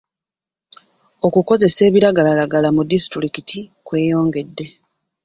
Okukozesa ebiragalalagala mu disitulikiti kweyongedde.